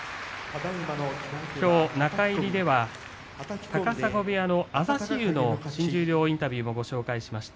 きょうは中入りでは高砂部屋の朝志雄の新十両インタビューをご紹介しました。